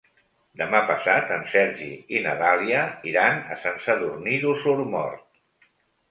Demà passat en Sergi i na Dàlia iran a Sant Sadurní d'Osormort.